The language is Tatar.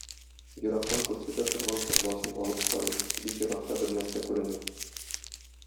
Ерактан күрсәтә торган торбасын алып карый, бик еракта бер нәрсә күренә.